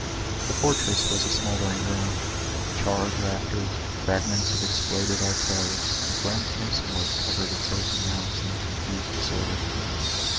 The fortress was a smoldering ruin; charred rafters, fragments of exploded artillery, and rent mason work covering its earthen mounds in confused disorder.